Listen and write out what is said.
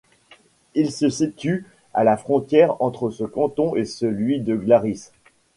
Il se situe à la frontière entre ce canton et celui de Glaris.